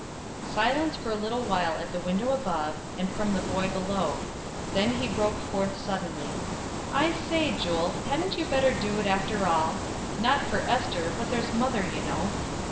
Silence for a little while at the window above, and from the boy below: then he broke forth suddenly: "I say, Jule, hadn't you better do it after all not for Ester, but there's mother, you know."